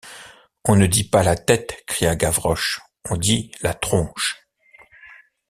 On ne dit pas la tête, cria Gavroche, on dit la tronche.